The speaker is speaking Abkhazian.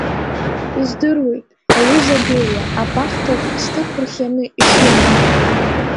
Издыруеит, аҩыза Бериа, абахҭаҿ сҭыԥ рхианы ишумоу.